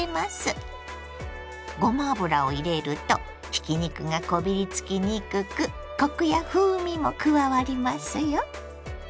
ごま油を入れるとひき肉がこびりつきにくくコクや風味も加わりますよ。